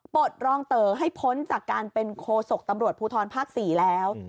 ดรองเต๋อให้พ้นจากการเป็นโคศกตำรวจภูทรภาค๔แล้ว